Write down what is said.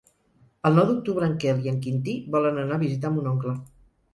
El nou d'octubre en Quel i en Quintí volen anar a visitar mon oncle.